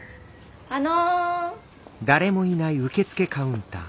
あの。